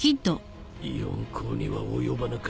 四皇には及ばなかったか。